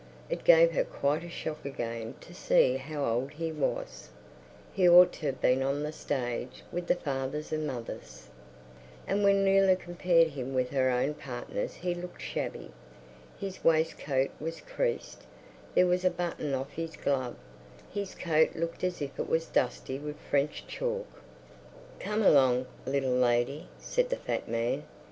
It gave her quite a shock again to see how old he was; he ought to have been on the stage with the fathers and mothers. And when Leila compared him with her other partners he looked shabby. His waistcoat was creased, there was a button off his glove, his coat looked as if it was dusty with French chalk. "Come along, little lady," said the fat man.